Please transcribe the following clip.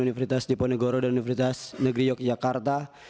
universitas diponegoro dan universitas negeri yogyakarta